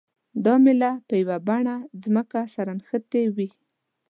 دا میله په یوه بڼه ځمکې سره نښتې وي.